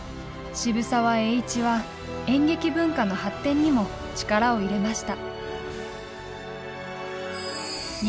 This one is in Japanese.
渋沢栄一は演劇文化の発展にも力を入れました。